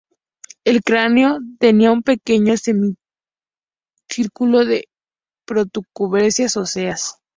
El cráneo tenía un pequeño semicírculo de protuberancias óseas.